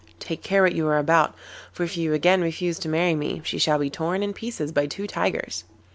Take care what you are about, for if you again refuse to marry me she shall be torn in pieces by two tigers.